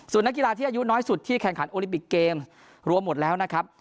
ส่วนนักกีฬาที่อายุน้อยสุดที่แข่งขันโอลิปิกเกมรวมหมดแล้วนะครับ